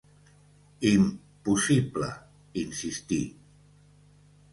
"Im-possible!", insistí.